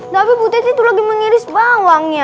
tapi bu teti itu lagi mengiris bawangnya